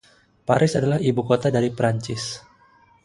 Paris adalah ibukota dari Prancis.